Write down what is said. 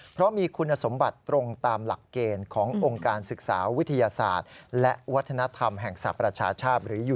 เพราะมีคุณสมบัติตรงตามหลักเกณฑ์ขององค์การศึกษาวิทยาศาสตร์